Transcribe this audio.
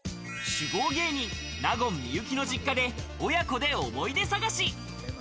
酒豪芸人、納言・幸の実家で親子で思い出探し。